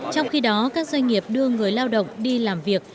trong khi đó các doanh nghiệp đưa người lao động đi làm việc